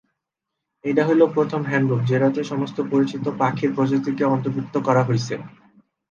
এটা হল প্রথম হ্যান্ডবুক, যেটাতে সমস্ত পরিচিত পাখির প্রজাতিকে অন্তর্ভুক্ত করা হয়েছে।